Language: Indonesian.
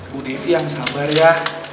bu devi yang sabar ya